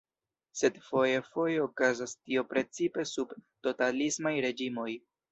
Sed fojfoje okazas tio precipe sub totalismaj reĝimoj.